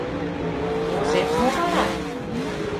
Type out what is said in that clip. Возет мо вара?